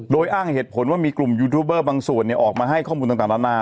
โดยอ้างเหตุผลว่ามีกลุ่มยูทูบเบอร์บางส่วนออกมาให้ข้อมูลต่างนานา